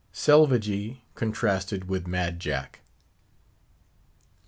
SELVAGEE CONTRASTED WITH MAD JACK.